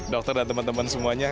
dokter dan teman teman semuanya